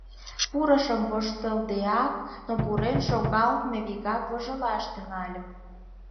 Пурышым вожылдеак, но пурен шогалмек, вигак вожылаш тӱҥальым.